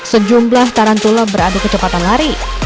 sejumlah tarantula beradu kecepatan lari